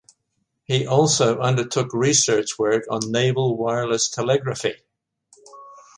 He also undertook research work on naval wireless telegraphy.